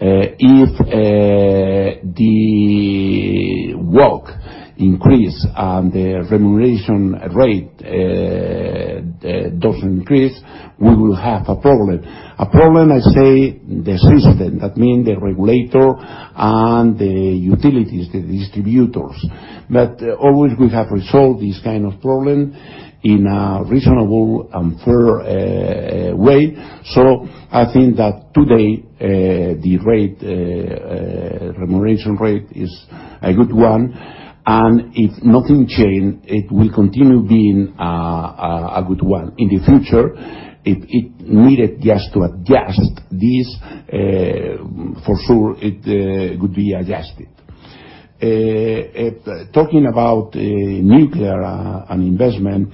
Speaker 2: If the work increase and the remuneration rate doesn't increase, we will have a problem. A problem, I say, the system. That means the regulator and the utilities, the distributors. But always we have resolved this kind of problem in a reasonable and fair way. So I think that today the remuneration rate is a good one. And if nothing changed, it will continue being a good one. In the future, if it needed just to adjust this, for sure it could be adjusted. Talking about nuclear and investment,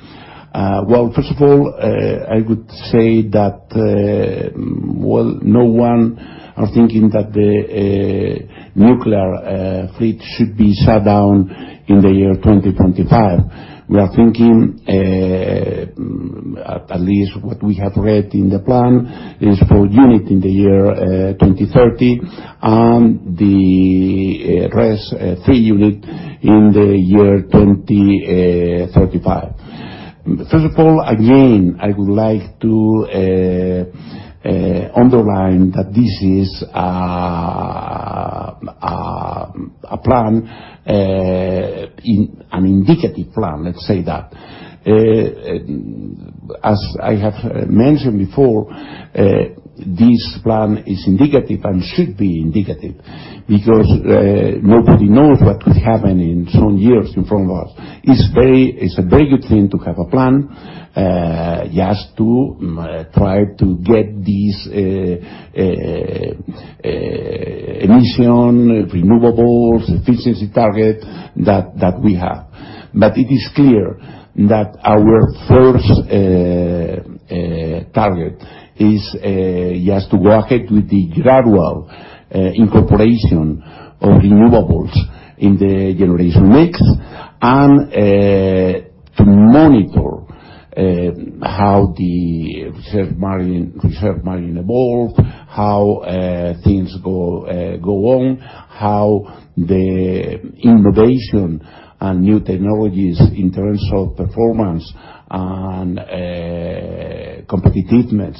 Speaker 2: well, first of all, I would say that, well, no one is thinking that the nuclear fleet should be shut down in the year 2025. We are thinking, at least what we have read in the plan, is for one unit in the year 2030 and the rest three units in the year 2035. First of all, again, I would like to underline that this is a plan, an indicative plan, let's say that. As I have mentioned before, this plan is indicative and should be indicative because nobody knows what could happen in some years in front of us. It's a very good thing to have a plan just to try to get these emissions, renewables, efficiency targets that we have. But it is clear that our first target is just to go ahead with the gradual incorporation of renewables in the generation mix and to monitor how the reserve margin evolves, how things go on, how the innovation and new technologies in terms of performance and competitiveness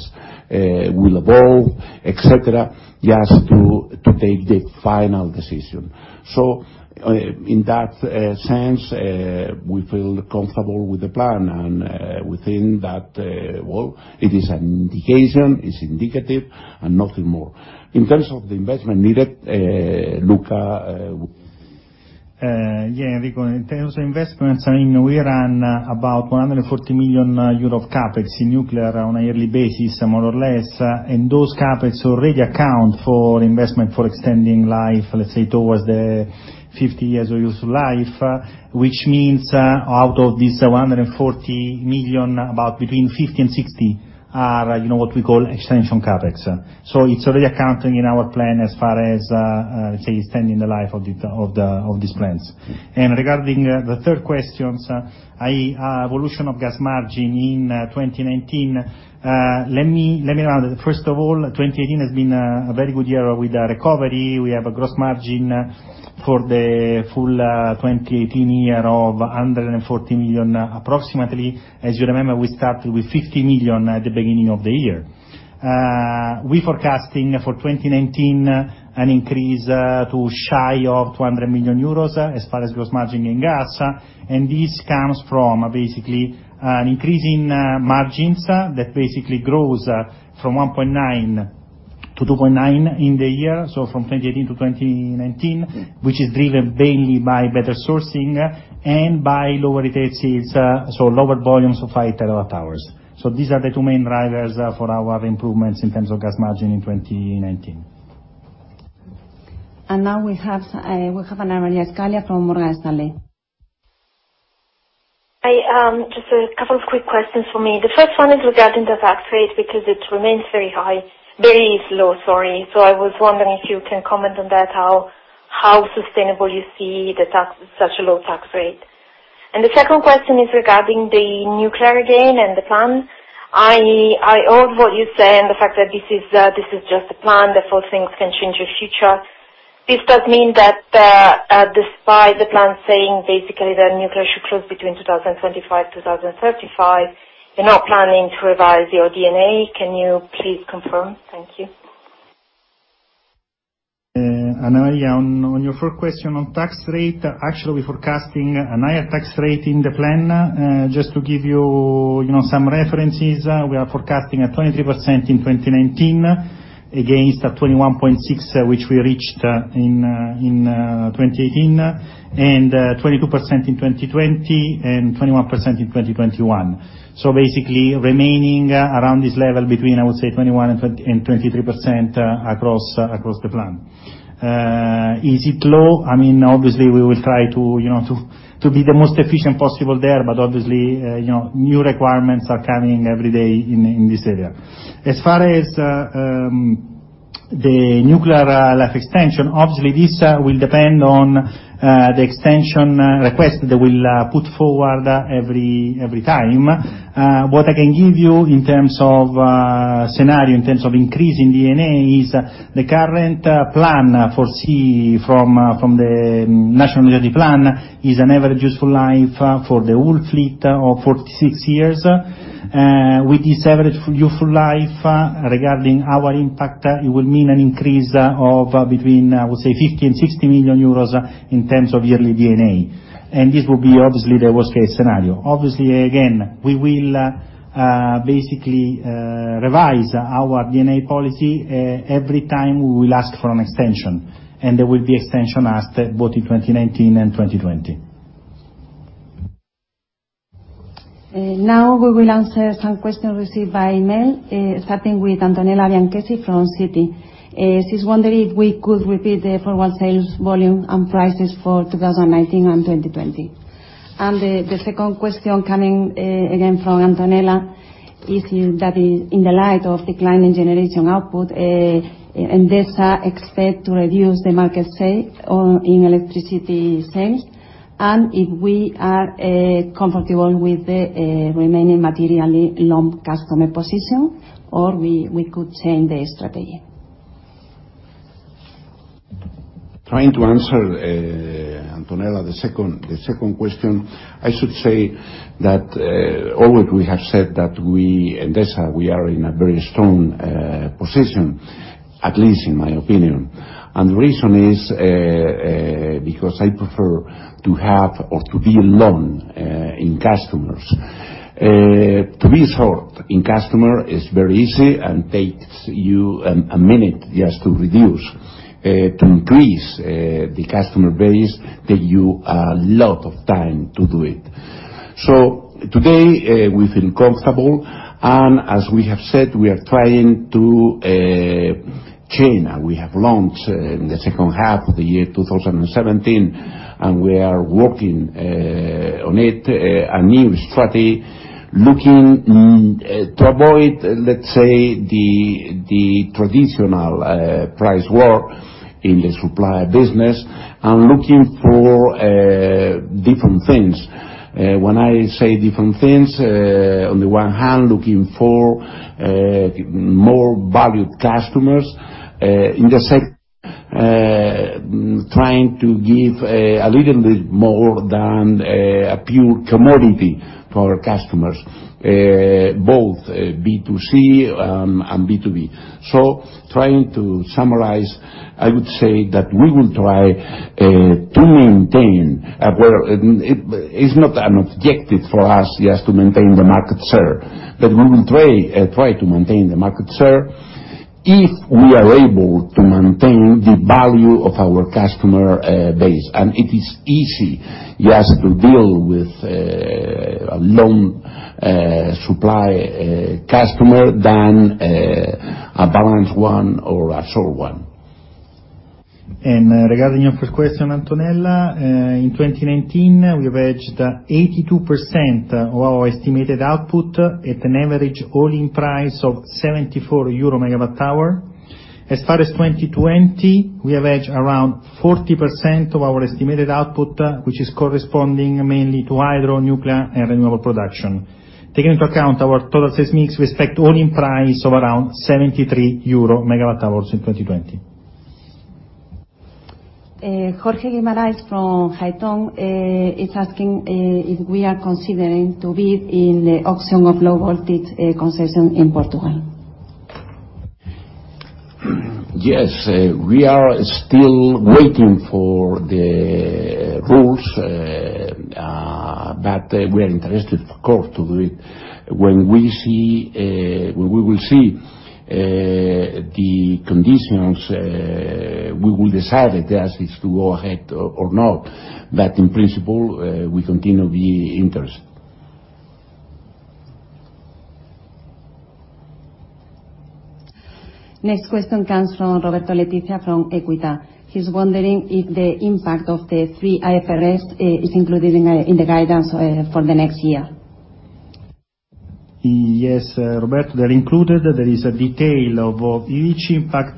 Speaker 2: will evolve, etc., just to take the final decision. So in that sense, we feel comfortable with the plan and we think that, well, it is an indication, it's indicative, and nothing more. In terms of the investment needed, Luca?
Speaker 3: Yeah, Enrico, in terms of investments, I mean, we ran about 140 million euro CapEx in nuclear on a yearly basis, more or less. And those CapEx already account for investment for extending life, let's say, towards the 50 years of useful life, which means out of this 140 million, about between 50 and 60 are what we call extension CapEx. So it's already accounting in our plan as far as, let's say, extending the life of these plants. And regarding the third question, i.e., evolution of gas margin in 2019, let me remind you, first of all, 2018 has been a very good year with the recovery. We have a gross margin for the full 2018 year of 140 million approximately. As you remember, we started with 50 million at the beginning of the year. We're forecasting for 2019 an increase to shy of 200 million euros as far as gross margin in gas. And this comes from basically an increase in margins that basically grows from 1.9 to 2.9 in the year, so from 2018 to 2019, which is driven mainly by better sourcing and by lower retail sales, so lower volumes of 5 TWh. So these are the two main drivers for our improvements in terms of gas margin in 2019.
Speaker 1: Now we have Anna Maria Scaglia from Morgan Stanley.
Speaker 9: Hi, just a couple of quick questions from me. The first one is regarding the tax rate because it remains very high, very low, sorry. So I was wondering if you can comment on that, how sustainable you see such a low tax rate. And the second question is regarding the nuclear again and the plan. I heard what you said and the fact that this is just a plan, therefore things can change in the future. This does mean that despite the plan saying basically that nuclear should close between 2025-2035, you're not planning to revise your plan. Can you please confirm? Thank you.
Speaker 3: Maria, on your first question on tax rate, actually we're forecasting a higher tax rate in the plan. Just to give you some references, we are forecasting a 23% in 2019 against a 21.6% which we reached in 2018, and 22% in 2020, and 21% in 2021. So basically remaining around this level between, I would say, 21% and 23% across the plan. Is it low? I mean, obviously, we will try to be the most efficient possible there, but obviously, new requirements are coming every day in this area. As far as the nuclear life extension, obviously, this will depend on the extension request that we'll put forward every time. What I can give you in terms of scenario, in terms of increasing D&A, is the current plan foresee from the national energy plan is an average useful life for the whole fleet of 46 years. With this average useful life regarding our impact, it will mean an increase of between, I would say, 50 and 60 million euros in terms of yearly D&A. And this will be obviously the worst-case scenario. Obviously, again, we will basically revise our D&A policy every time we will ask for an extension. And there will be extension asked both in 2019 and 2020.
Speaker 1: Now we will answer some questions received by email, starting with Antonella Bianchessi from Citi. She's wondering if we could repeat the forward sales volume and prices for 2019 and 2020. And the second question coming again from Antonella is that in the light of declining generation output, Endesa expect to reduce the market share in electricity sales? And if we are comfortable with the remaining materially lumpy customer position, or we could change the strategy?
Speaker 2: Trying to answer Antonella, the second question, I should say that always we have said that we, Endesa, we are in a very strong position, at least in my opinion, and the reason is because I prefer to have or to be long in customers. To be short in customer is very easy and takes you a minute just to reduce, to increase the customer base, take you a lot of time to do it. So today we feel comfortable, and as we have said, we are trying to change and we have launched in the second half of the year 2017, and we are working on it, a new strategy looking to avoid, let's say, the traditional price war in the supply business and looking for different things. When I say different things, on the one hand, looking for more valued customers in the sector, trying to give a little bit more than a pure commodity to our customers, both B2C and B2B. So trying to summarize, I would say that we will try to maintain, it's not an objective for us just to maintain the market share, but we will try to maintain the market share if we are able to maintain the value of our customer base. And it is easy just to deal with a long supply customer than a balanced one or a short one.
Speaker 3: Regarding your first question, Antonella, in 2019, we averaged 82% of our estimated output at an average all-in price of 74 euro/MWh. As far as 2020, we averaged around 40% of our estimated output, which is corresponding mainly to hydro, nuclear, and renewable production. Taking into account our total sales mix, we expect all-in price of around 73 euro/MWh in 2020.
Speaker 1: Jorge Guimarães from Haitong is asking if we are considering to bid in the auction of low-voltage concession in Portugal.
Speaker 2: Yes, we are still waiting for the rules, but we are interested, of course, to do it. When we will see the conditions, we will decide if it's to go ahead or not. But in principle, we continue to be interested.
Speaker 1: Next question comes from Roberto Letizia from Equita. He's wondering if the impact of the three IFRS is included in the guidance for the next year.
Speaker 3: Yes, Roberto, they're included. There is a detail of each impact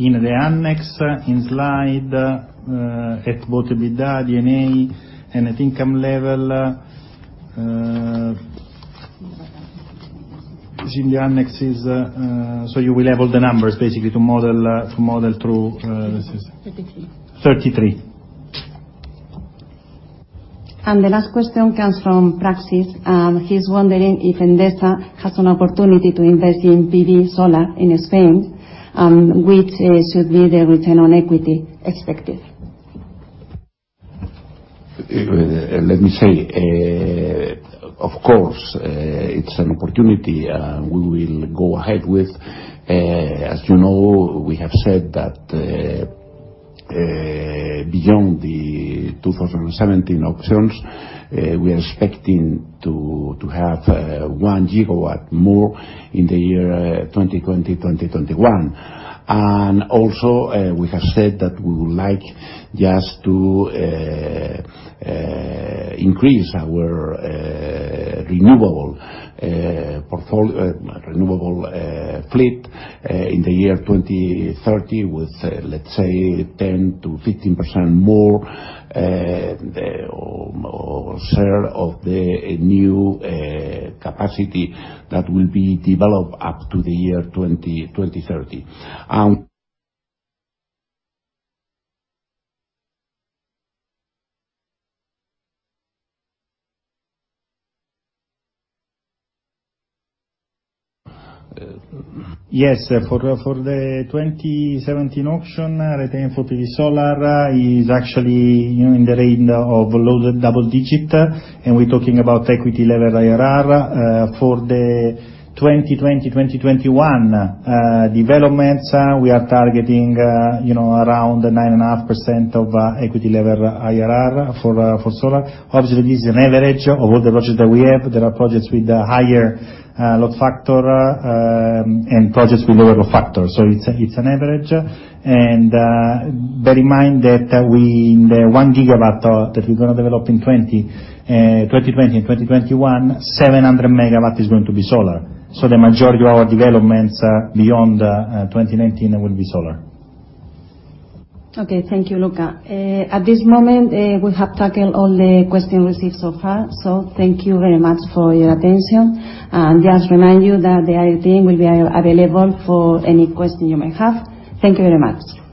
Speaker 3: in the annex in the slides at both EBITDA, D&A, and at income level. So you will have all the numbers basically to model through.
Speaker 1: 33.
Speaker 3: 33.
Speaker 1: The last question comes from Praxis. He's wondering if Endesa has an opportunity to invest in PV solar in Spain, which should be the return on equity expected.
Speaker 2: Let me say, of course, it's an opportunity. We will go ahead with, as you know, we have said that beyond the 2017 auctions, we are expecting to have one gigawatt more in the year 2020-2021. Also, we have said that we would like just to increase our renewable fleet in the year 2030 with, let's say, 10%-15% more share of the new capacity that will be developed up to the year 2030.
Speaker 3: Yes, for the 2017 auction, return for PV solar is actually in the range of low double digit, and we're talking about equity level IRR. For the 2020-2021 developments, we are targeting around 9.5% of equity level IRR for solar. Obviously, this is an average of all the projects that we have. There are projects with a higher load factor and projects with a lower load factor. So it's an average. And bear in mind that in the one gigawatt that we're going to develop in 2020 and 2021, 700 MW is going to be solar. So the majority of our developments beyond 2019 will be solar.
Speaker 1: Okay, thank you, Luca. At this moment, we have tackled all the questions received so far. So thank you very much for your attention and just remind you that the IR team will be available for any question you may have. Thank you very much.